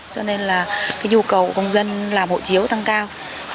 cho nên là cái nhu cầu của công dân làm hộ chiếu tăng cao